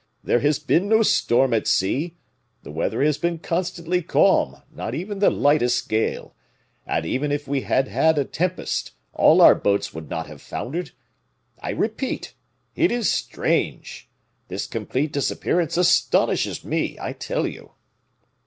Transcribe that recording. There has been no storm at sea; the weather has been constantly calm, not even the lightest gale; and even if we had had a tempest, all our boats would not have foundered. I repeat, it is strange. This complete disappearance astonishes me, I tell you."